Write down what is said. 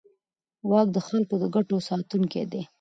واک د خلکو د ګټو ساتونکی دی.